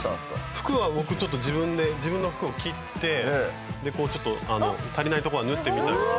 服は僕ちょっと自分で自分の服を切ってでこうちょっと足りないとこは縫ってみたりとか。